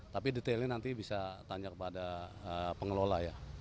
tapi detailnya nanti bisa tanya kepada pengelola ya